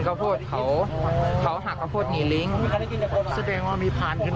ข้าวโทรเขาเขาหากาโภดหนีลิงแสดงว่ามีภารย์ขึ้น